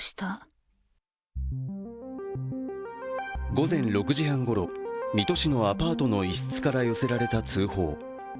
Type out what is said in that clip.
午前６時半ごろ水戸市のアパートの一室から寄せられた通報。